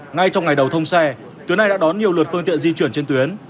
ngay trong ngày đầu thông xe tuyến này đã đón nhiều lượt phương tiện di chuyển trên tuyến